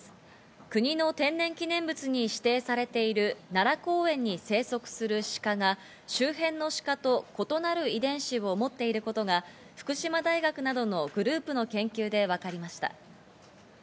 国の天然記念物に指定されている奈良公園に生息するシカが周辺のシカと異なる遺伝子を持っていることが福島大学などのグループの研究で分かりました。